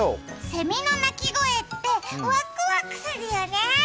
セミの鳴き声ってワクワクするよね。